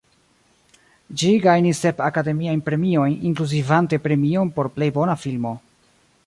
Ĝi gajnis sep Akademiajn Premiojn, inkluzivante premion por plej bona filmo.